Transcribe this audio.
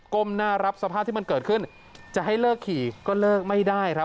หน้ารับสภาพที่มันเกิดขึ้นจะให้เลิกขี่ก็เลิกไม่ได้ครับ